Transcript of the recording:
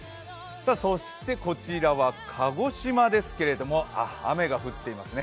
そしてこちらは鹿児島ですけれども、雨が降っていますね。